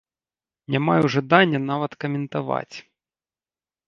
Не маю жадання нават каментаваць.